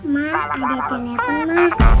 ma ada telepon ma